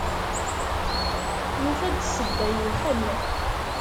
Yufa-d ssebba yewḥel.